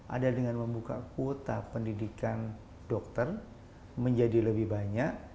ada dengan membuka kuota pendidikan dokter menjadi lebih banyak